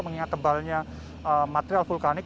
mengingat tebalnya material vulkanik